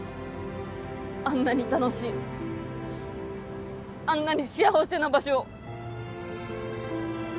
あんなに楽しいあんなに幸せな場所。